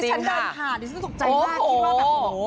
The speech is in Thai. เจนทันค่ะดิฉันสนุกใจมากคิดว่าแบบโอ้โห